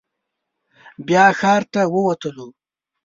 بیا ښار ته ووتلو.